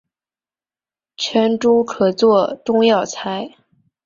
全株可做中药材。